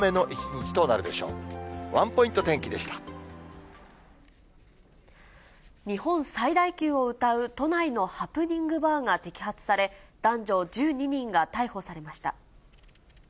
日本最大級をうたう都内のハプニングバーが摘発され、男女１２人が逮捕されました。